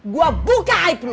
gue buka aib lu